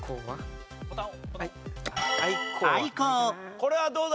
これはどうだ？